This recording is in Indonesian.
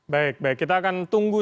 baik baik kita akan tunggu